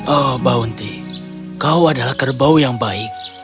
oh bounty kau adalah kerbau yang baik